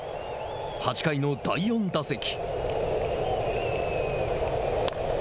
８回の第４打席。